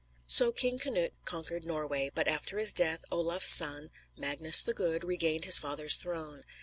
So King Canute conquered Norway; but after his death, Olaf's son, Magnus the Good, regained his father's throne.